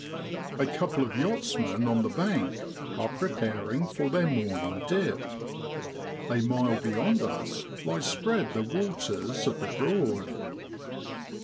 A couple of yachtsmen on the bank are preparing for their morning dip. A mile beyond us lie spread the waters of the Broad.